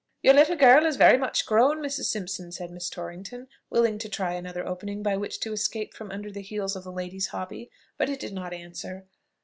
"Your little girl is very much grown, Mrs. Simpson," said Miss Torrington, willing to try another opening by which to escape from under the heels of the lady's hobby; but it did not answer.